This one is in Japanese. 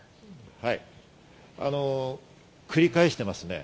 はい、繰り返してますね。